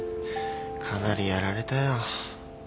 かなりやられたよ。